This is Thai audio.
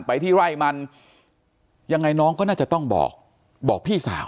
ไปที่ไร่มันยังไงน้องก็น่าจะต้องบอกบอกพี่สาว